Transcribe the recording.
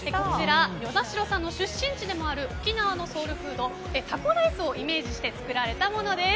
與那城さんの出身地でもある沖縄のソウルフードタコライスをイメージして作られたものです。